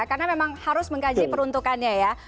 karena memang harus mengkaji peruntukannya ya